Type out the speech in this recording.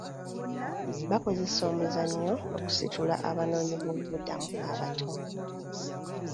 Bakozesa omuzannyo okusitula abanoonyiboobubudamu abato.